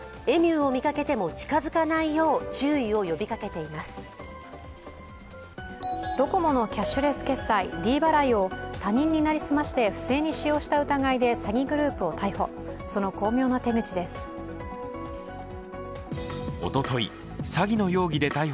ドコモのキャッシュレス決済・ｄ払いを他人に成り済まして不正に使用した疑いで詐欺グループを逮捕。